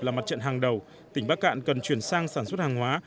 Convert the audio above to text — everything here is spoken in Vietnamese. là mặt trận hàng đầu tỉnh bắc cạn cần chuyển sang sản xuất hàng hóa